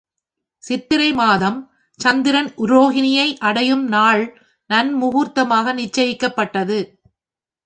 சித்திரை மாதம் சந்திரன் உரோகிணியை அடையும் நாள் நன்முகூர்த்தமாக நிச்சயிக்கப்பட்டது.